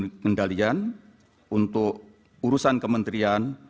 dan pengendalian untuk urusan kementerian